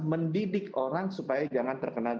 mendidik orang supaya jangan terkena